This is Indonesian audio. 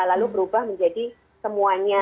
lalu berubah menjadi semuanya